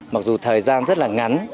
mặc dù thời gian rất là ngắn